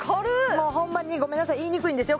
もうホンマにごめんなさい言いにくいんですよ